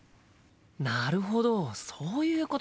なるほどそういうことか。